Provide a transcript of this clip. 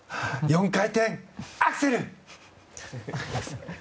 ４回転アクセル！